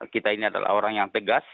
kita ini adalah orang yang tegas